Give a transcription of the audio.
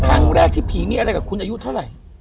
ครั้งแรกที่ผีมีอะไรกับคุณอายุเท่าไหร่